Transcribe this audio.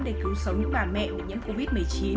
để cứu sống những bà mẹ nhiễm covid một mươi chín